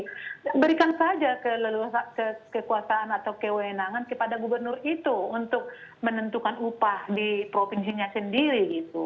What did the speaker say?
jadi berikan saja keleluhan kekuasaan atau kewenangan kepada gubernur itu untuk menentukan upah di provinsinya sendiri